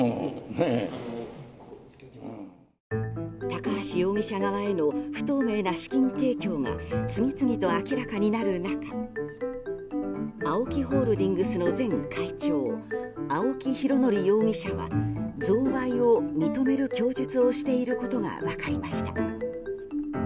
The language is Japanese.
高橋容疑者側への不透明な資金提供が次々と明らかになる中ＡＯＫＩホールディングスの前会長青木拡憲容疑者は贈賄を認める供述をしていることが分かりました。